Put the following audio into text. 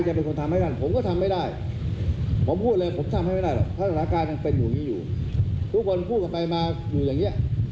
จะยืนตั้งแต่อยู่แบบนี้ตรงนี้ต้องก่อนอยู่อย่างเงี้ย